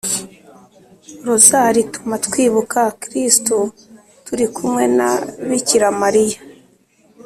rozali ituma twibuka kristu turi kumwe na bikira mariya